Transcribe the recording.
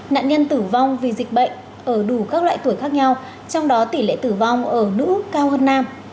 nạn nhân tử vong vì dịch bệnh ở đủ các loại tuổi khác nhau trong đó tỷ lệ tử vong ở nữ cao hơn nam